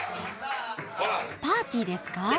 パーティーですか？